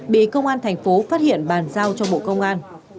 bị công an thành phố phát hiện bàn giao cho bộ công an